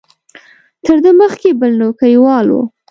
تر ده مخکې بل نوکریوال و.